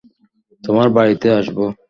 তোমার বাড়িতে আসবো?